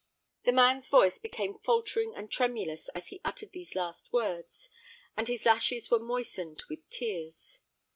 The man's voice became faltering and tremulous as he uttered these last words; and his lashes were moistened with tears.